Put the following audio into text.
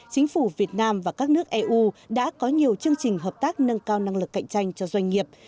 chính phủ việt nam và các nước eu đã có nhiều chương trình hợp tác nâng cao năng lực cạnh tranh cho doanh nghiệp